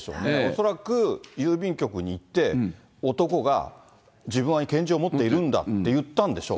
恐らく郵便局に行って、男が自分は拳銃を持っているんだって言ったんでしょう。